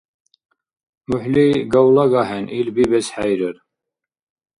МухӀли гавлаг ахӀен, ил бирбес хӀейрар.